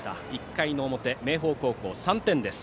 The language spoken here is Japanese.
１回の表、明豊高校３点です。